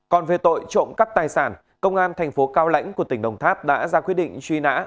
còn về tội trộm cắp tài sản công an thành phố cao lãnh của tỉnh đồng tháp đã ra quyết định truy nã